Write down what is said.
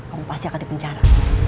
kamu pasti akan dipencara